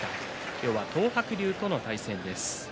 今日は東白龍との対戦です。